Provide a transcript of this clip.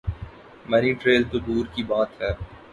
منی trail تو دور کی بات ہے۔